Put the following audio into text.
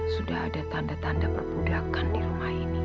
sudah ada tanda tanda perpudakan di rumah ini